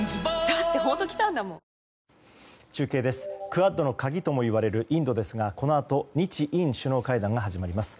クアッドの鍵ともいわれるインドですが、このあと日印首脳会談が始まります。